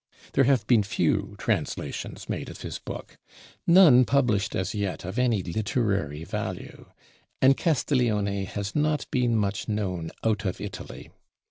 There have been few translations made of his book; none (published) as yet, of any literary value; and Castiglione has not been much known out of Italy.